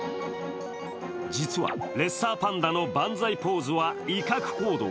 実はレッサーパンダの万歳ポーズは威嚇行動。